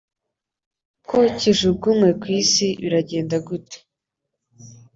ko kijugunywe ku isi birajyenda gute